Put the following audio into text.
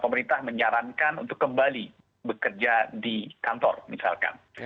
pemerintah menyarankan untuk kembali bekerja di kantor misalkan